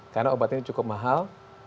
karena obatnya cukup mahal